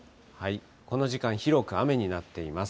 この時間、広く雨になっています。